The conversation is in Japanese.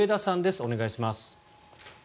お願いします。